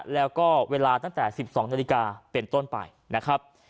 แล้วก็เวลาตั้งแต่๑๒นาฬิกาเป็นต้นไปนะครับ